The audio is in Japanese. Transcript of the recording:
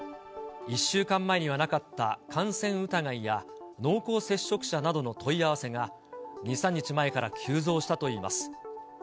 １週間前にはなかった、感染疑いや、濃厚接触者などの問い合わせが、２、３日前から急増したといいます。